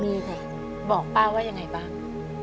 มีค่ะบอกป้าว่ายังไงบ้าง